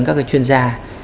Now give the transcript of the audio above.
các cái chuyên gia